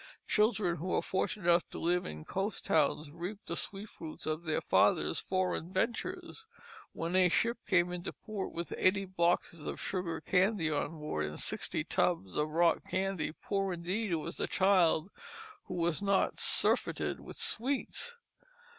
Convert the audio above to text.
Children who were fortunate enough to live in coast towns reaped the sweet fruits of their fathers' foreign ventures. When a ship came into port with eighty boxes of sugar candy on board and sixty tubs of rock candy, poor indeed was the child who was not surfeited with sweets.